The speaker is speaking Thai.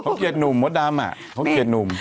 เขาเกลียดหนุ่มมดดำเขาเกลียดหนุ่ม